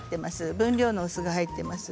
分量のお酢が入っています。